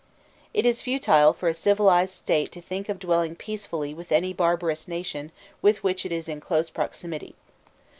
It is futile for a civilized state to think of dwelling peacefully with any barbarous nation with which it is in close proximity.